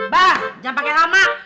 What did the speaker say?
bah jangan pake lama